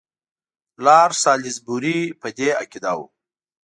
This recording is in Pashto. لارډ سالیزبوري په دې عقیده وو.